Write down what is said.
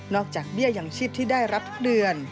จากเบี้ยอย่างชีพที่ได้รับทุกเดือน